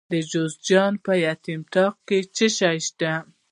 د جوزجان په یتیم تاغ کې څه شی شته؟